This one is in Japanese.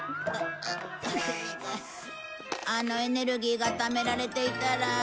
あのエネルギーがためられていたら。